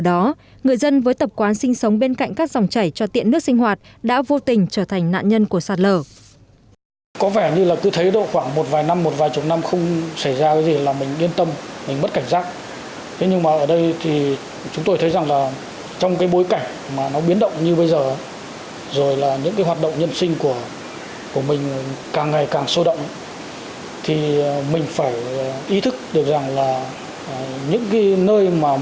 do đó người dân với tập quán sinh sống bên cạnh các dòng chảy cho tiện nước sinh hoạt đã vô tình trở thành nạn nhân của sạt lở